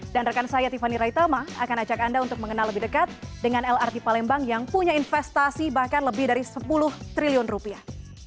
dan rekan saya tiffany raitama akan ajak anda untuk mengenal lebih dekat dengan lrt palembang yang punya investasi bahkan lebih dari sepuluh triliun rupiah